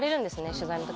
取材の時。